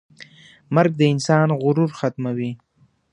مرګ د انسان غرور ختموي.